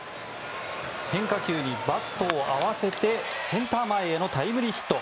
変化球にバットを合わせてセンター前へのタイムリーヒット。